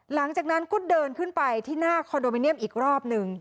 หลังจากนั้นก็เดินขึ้นไปที่หน้าคอนโดมิเนียมอีกรอบหนึ่ง